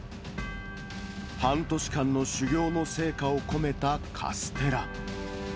半年間の修業の成果を込めたカステラ。